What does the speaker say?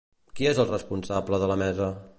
Qui és el responsable de la mesa?